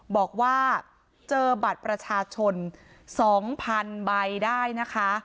บอกว่าเจอบัตรประชาชน๒๐๐๐ใบได้นะคะ